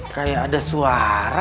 kayak ada suara